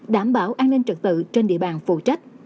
đảm bảo an ninh trật tự trên địa bàn phụ trách